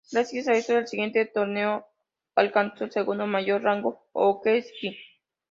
Gracias a esto, en el siguiente torneo alcanzó el segundo mayor rango, "ōzeki".